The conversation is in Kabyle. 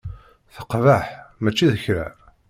Teqbeḥ mačči d kra.